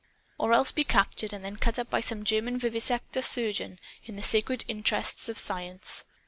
Or else to be captured and then cut up by some German vivisector surgeon in the sacred interests of Science!